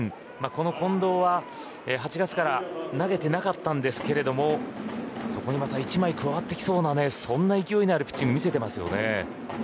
この近藤は８月から投げてなかったんですけれどもそこにまた一枚加わってきそうなそんな勢いのあるピッチング、見せてますよね。